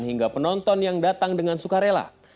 hingga penonton yang datang dengan sukarela